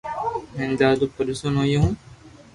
ھين ڌاڌو پرآݾون ھويو ھون